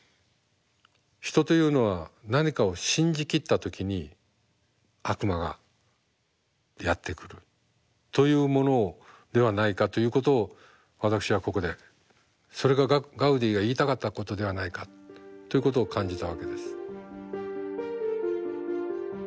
人というのは何かを信じきった時に悪魔がやって来るというものをではないかということを私はここでそれがガウディが言いたかったことではないかということを感じたわけです。